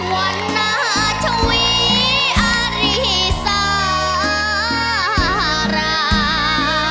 วันนาชวีอารีสารา